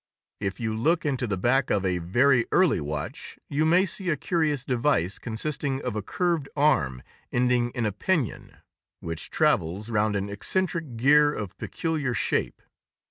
If you look into the back of a very early watch, you may see a curious device consisting of a curved arm ending in a pinion, which travels round an eccentric gear of peculiar shape.